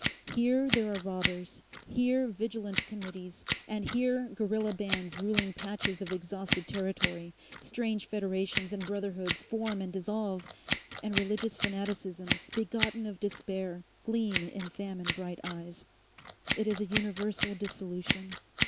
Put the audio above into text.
Here there are robbers, here vigilance committees, and here guerilla bands ruling patches of exhausted territory, strange federations and brotherhoods form and dissolve, and religious fanaticisms begotten of despair gleam in famine bright eyes. It is a universal dissolution.